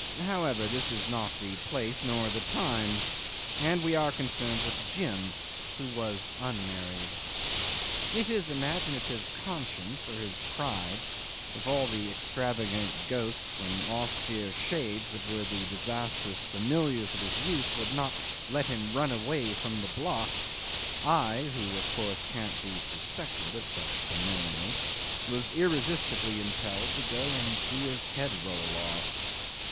... However, this is not the place, nor the time, and we are concerned with Jim who was unmarried. If his imaginative conscience or his pride; if all the extravagant ghosts and austere shades that were the disastrous familiars of his youth would not let him run away from the block, I, who of course can't be suspected of such familiars, was irresistibly impelled to go and see his head roll off.